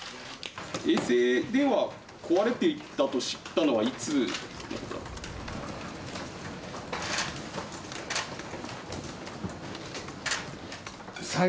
衛星電話が壊れていたと知ったのは、いつだったんですか。